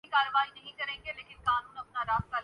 تعلیم پر قبضہ کر جا رہی ہے